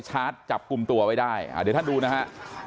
ชาร์จจับกลุ่มตัวไว้ได้เดี๋ยวท่านดูนะฮะ